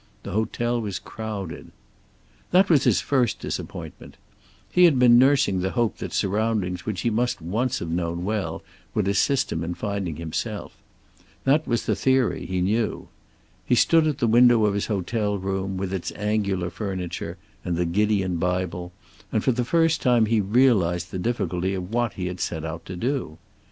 The hotel was crowded. That was his first disappointment. He had been nursing the hope that surroundings which he must once have known well would assist him in finding himself. That was the theory, he knew. He stood at the window of his hotel room, with its angular furniture and the Gideon Bible, and for the first time he realized the difficulty of what he had set out to do.